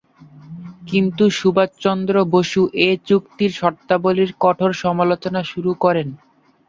কিন্তু সুভাষচন্দ্র বসু এ চুক্তির শর্তাবলির কঠোর সমালোচনা শুরু করেন।